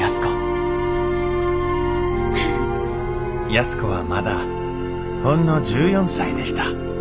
安子はまだほんの１４歳でした。